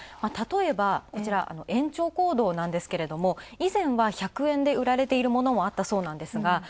例えば、延長コードなんですけども以前は１００円で売られているものもあったそうなんですが